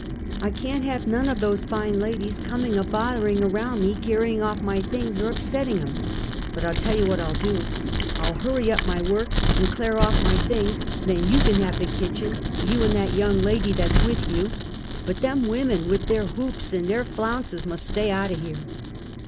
I can't liave none of those fine ladies comin' a botherin' around me, carrjin' oif my things or upsettin' ' em. But I'll tell yoti what I'll do ; I'll hurry up my work and clare off my things ; then you can have the kitchen, you an' that young lady that's with you; but them women, vrith their hoops an ' their flounces, must stay out o ' here!"